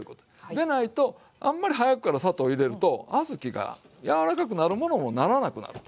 でないとあんまり早くから砂糖入れると小豆が柔らかくなるものもならなくなると。